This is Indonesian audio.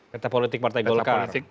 reta politik partai golkar